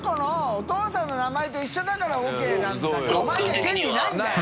お父さんの名前と一緒だからＯＫなんだから阿砲権利ないんだよ！